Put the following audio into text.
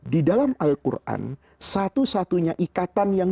di dalam al quran satu satunya ikatan yang